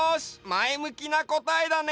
まえむきなこたえだね！